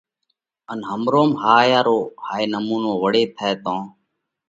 ان همروم هائي رو هائي نمُونو وۯي ٿئہ تو